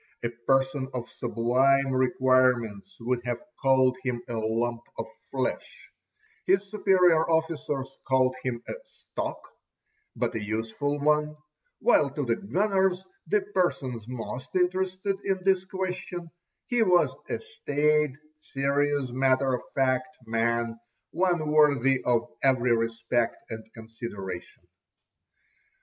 A person of sublime requirements would have called him a lump of flesh; his superior officers called him a "stock," but a useful one—while to the "gunners," the persons most interested in this question, he was a staid, serious matter of fact man, one worthy of every respect and consideration.